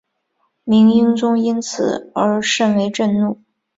明英宗因此而甚为震怒。